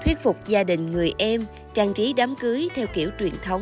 thuyết phục gia đình người em trang trí đám cưới theo kiểu truyền thống